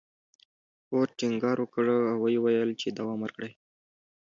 فورډ ټينګار وکړ او ويې ويل چې دوام ورکړئ.